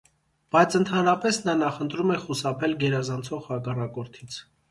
Բայց ընդհանրապես նա նախընտրում է խուսափել գերազանցող հակառակորդից։